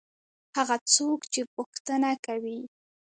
هغه څوک چې پوښتنه کوي.